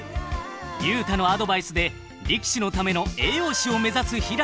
竜太のアドバイスで力士のための栄養士を目指すひらり。